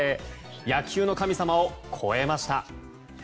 野球の神様を超えました！